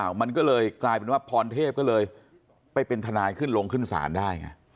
มันก็เลยกลายเป็นว่าพรเทพก็เลยไปเป็นทนายขึ้นลงขึ้นศาลได้ไง